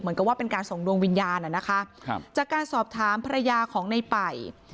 เหมือนกับว่าเป็นการส่งดวงวิญญาณอ่ะนะคะครับจากการสอบถามภรรยาของในป่าย